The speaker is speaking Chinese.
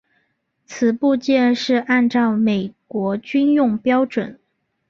此部件是按照美国军用标准。